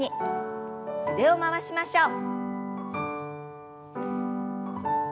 腕を回しましょう。